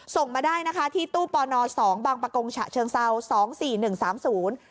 ส่งมาได้นะคะที่ตู้ปน๒บปชเชิงเศร้าสองสี่หนึ่งสามศูนย์